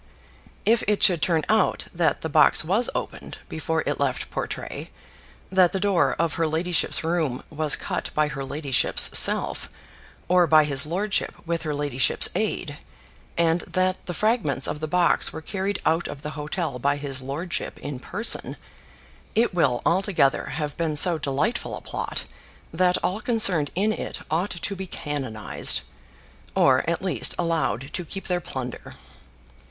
If it should turn out that the box was opened before it left Portray, that the door of her ladyship's room was cut by her ladyship's self, or by his lordship with her ladyship's aid, and that the fragments of the box were carried out of the hotel by his lordship in person, it will altogether have been so delightful a plot, that all concerned in it ought to be canonised, or at least allowed to keep their plunder.